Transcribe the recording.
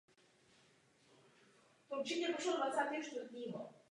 Proč nebylo stejně důsledně kontrolováno recyklování v Millstreamu?